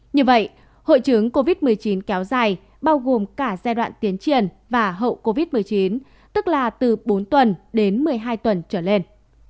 như vậy hội chứng covid một mươi chín kéo dài bao gồm cả giai đoạn tiến triển và hậu covid một mươi chín tức là từ bốn tuần đến một mươi hai tuần trở lên